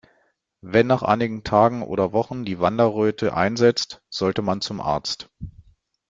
Wenn nach einigen Tagen oder Wochen die Wanderröte einsetzt, sollte man zum Arzt.